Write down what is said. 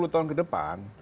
sepuluh tahun ke depan